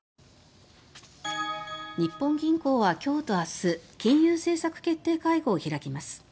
日本銀行は今日と明日金融政策決定会合を開きます。